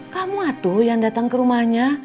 kamu atuh yang datang ke rumahnya